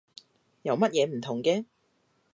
有乜嘢唔同嘅？